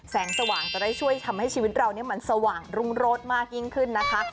สว่างจะได้ช่วยทำให้ชีวิตเรามันสว่างรุ่งโรดมากยิ่งขึ้นนะคะ